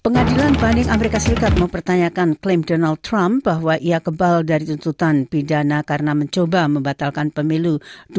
pengadilan banding amerika serikat mempertanyakan klaim donald trump bahwa ia kebal dari tuntutan pidana karena mencoba membatalkan pemilu dua ribu dua puluh